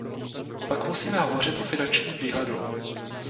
Pak musíme hovořit o finančním výhledu.